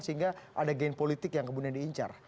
sehingga ada gain politik yang kemudian diincar